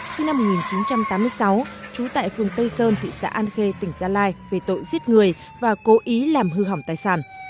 sinh năm một nghìn chín trăm tám mươi sáu trú tại phường tây sơn thị xã an khê tỉnh gia lai về tội giết người và cố ý làm hư hỏng tài sản